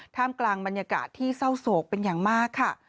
ท่ามกลางบรรยากาศที่เศร้าโศกเป็นอย่างมากค่ะ